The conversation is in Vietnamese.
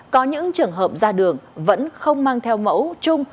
có những trường hợp ra đường vẫn không mang theo mẫu chung